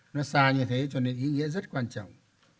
nó xa như thế cho nên ý nghĩa rất quan trọng